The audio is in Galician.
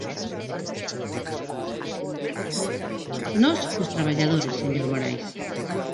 Nós, cos traballadores, señor Morais.